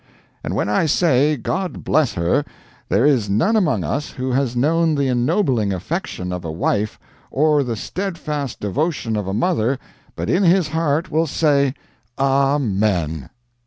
] And when I say, God bless her, there is none among us who has known the ennobling affection of a wife, or the steadfast devotion of a mother, but in his heart will say, Amen!